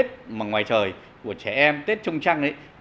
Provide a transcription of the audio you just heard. tiết mà ngoài trời của trẻ em tiết trùng trăng